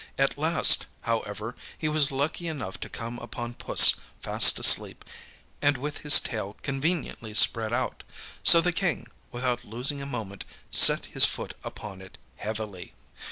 At last, however, he was lucky enough to come upon puss fast asleep and with his tail conveniently spread out. So the King, without losing a moment, set his foot upon it heavily.